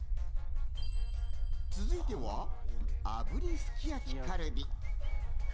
続いては、炙りすき焼カルビ。